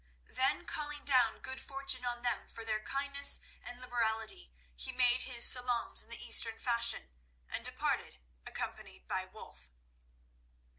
Then calling down good fortune on them for their kindness and liberality, he made his salaams in the Eastern fashion, and departed, accompanied by Wulf.